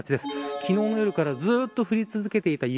昨日の夜からずっと降り続けていた雪